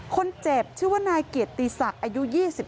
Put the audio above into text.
คนเจ็บชื่อว่านายเกียรติศักดิ์อายุ๒๓